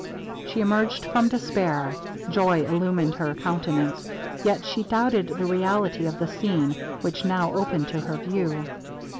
She emerged from despair; joy illumined her countenance; yet she doubted the reality of the scene which now opened to her view.